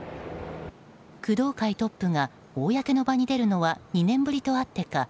工藤会トップが公の場に出るのは２年ぶりとあってか